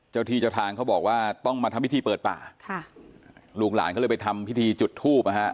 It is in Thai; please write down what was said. เจ้าที่เจ้าทางเขาบอกว่าต้องมาทำพิธีเปิดป่าค่ะลูกหลานก็เลยไปทำพิธีจุดทูบนะฮะ